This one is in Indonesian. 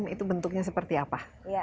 itu bentuknya seperti apa